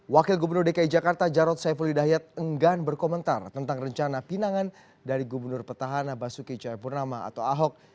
wakil gubernur dki jakarta jarod saifulidahyat enggan berkomentar tentang rencana pinangan dari gubernur petahan abasuki coyapurnama atau ahok